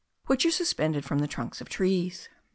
which are suspended from the trunks of trees.